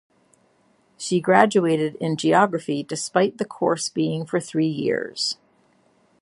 She graduated in Geography despite the course being for three years.